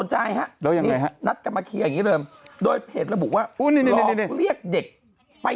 ให้ใครแทะ